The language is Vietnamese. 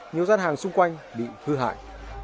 nhiều gián hàng xung quanh bị hư hại